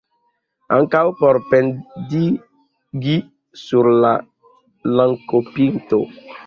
Ankaŭ por pendigi sur la lancopinto?